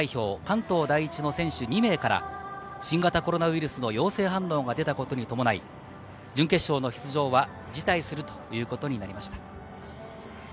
・関東第一の選手２名から新型コロナウイルスの陽性反応が出たことに伴い、準決勝の出場は辞退するということになりました。